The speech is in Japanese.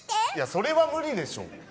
それは無理でしょ。